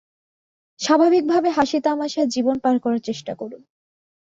স্বাভাবিকভাবে হাসি-তামাশায় জীবন পার করার চেষ্টা করুন।